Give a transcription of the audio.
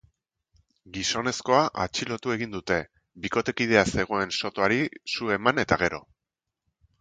Gizonezkoa atxilotu egin dute, bikotekidea zegoen sotoari su eman eta gero.